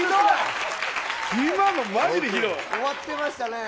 終わってましたね。